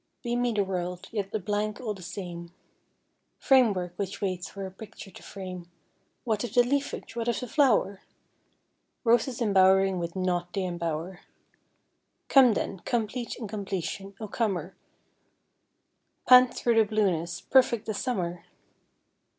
Beamy the world, yet a blank all the same, Framework which waits for a picture to frame: What of the leafage, what of the flower? Roses embowering with naught they embower! Come then, complete incompletion, O comer, Pant through the blueness, perfect the summer!